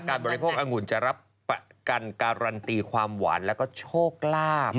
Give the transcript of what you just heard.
การบริโภคอังหุ่นจะรับการการันตีความหวานและโชคลาบ